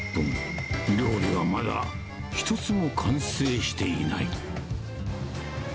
料理はまだ、一つも完成していない。